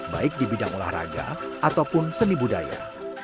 baik di bidang olahraga ataupun seni budaya